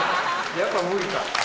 やっぱ無理か。